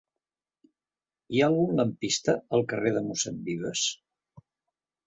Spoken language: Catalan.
Hi ha algun lampista al carrer de Mossèn Vives?